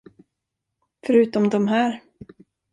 Förutom de här.